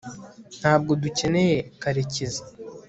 ntabwo dukeneye karekezi